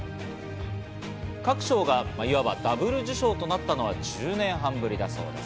各賞がいわばＷ受賞となったのは１０年半ぶりだそうです。